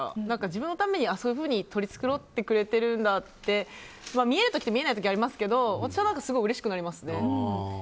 自分のためにそういうふうに取り繕ってくれてるんだって見える時と見えない時がありますけど私はすごいうれしくなりますね。